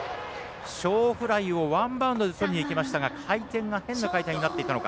小フライをワンバウンドでとりにいきましたが回転が変な回転になっていたのか。